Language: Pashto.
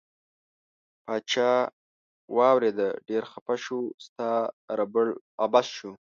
پاچا واوریده ډیر خپه شو ستا ربړ عبث شو.